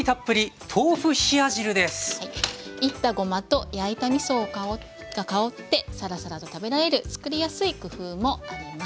煎ったごまと焼いたみそが香ってさらさらと食べられる作りやすい工夫もあります。